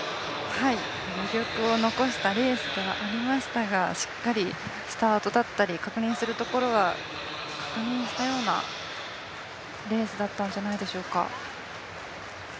余力を残したレースではありましたがしっかりスタートだったり、確認するところは確認したようなレースだったんじゃないでしょうか。